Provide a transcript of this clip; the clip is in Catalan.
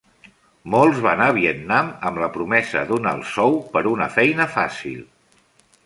Molts van a Vietnam amb la promesa d'un alt sou per una feina fàcil.